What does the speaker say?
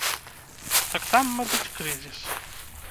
Так, там, мабыць, крызіс.